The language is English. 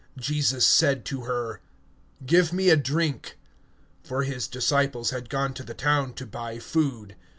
Jesus, says to her: Give me to drink. (8)For his disciples had gone away into the city to buy food.